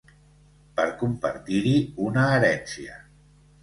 Per compartir-hi una herència.